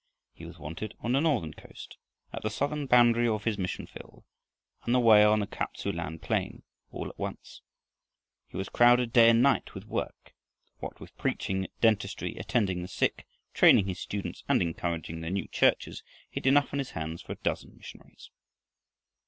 He was wanted on the northern coast, at the southern boundary of his mission field, and away on the Kap tsu lan plain all at once. He was crowded day and night with work. What with preaching, dentistry, attending the sick, training his students, and encouraging the new churches, he had enough on his hands for a dozen missionaries.